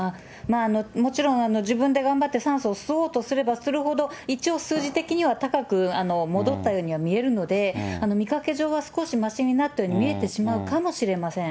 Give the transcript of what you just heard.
もちろん、自分で頑張って酸素を吸おうとすればするほど一応数字的には高く戻ったように見えるので、見かけ上は少しましになったように見えてしまうかもしれません。